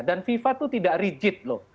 dan fifa itu tidak rigid loh